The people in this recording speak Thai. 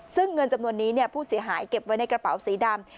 ซึ่งเงินจำนวนนี้ผู้เสียหายเก็บไว้ในกระเป๋าสีดำ